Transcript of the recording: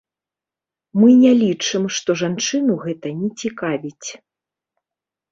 Мы не лічым, што жанчыну гэта не цікавіць.